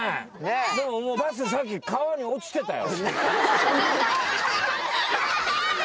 でももうバスさっき川に落ちてたよ。